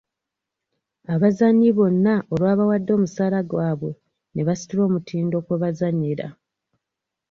Abazannyi bonna olwabawadde omusaala gwabe ne basitula omutindo kwe bazannyira.